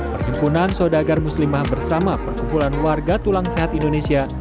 perhimpunan saudagar muslimah bersama perkumpulan warga tulang sehat indonesia